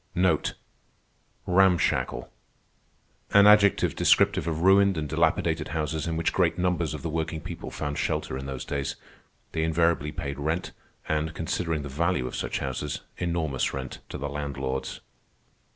An adjective descriptive of ruined and dilapidated houses in which great numbers of the working people found shelter in those days. They invariably paid rent, and, considering the value of such houses, enormous rent, to the landlords.